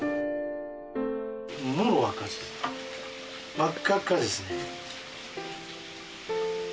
真っ赤っ赤のかですね。